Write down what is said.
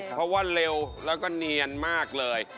เพราะว่าเร็วแล้วก็เนียนมากเลย